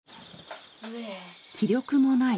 気力もない。